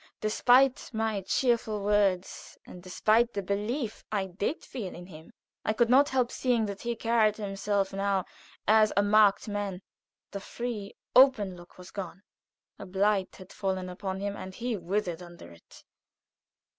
Despite my cheerful words, and despite the belief I did feel in him, I could not help seeing that he carried himself now as a marked man. The free, open look was gone; a blight had fallen upon him, and he withered under it.